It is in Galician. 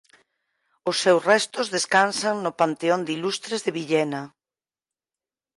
Os seus restos descansan no "Panteón de Ilustres" de Villena.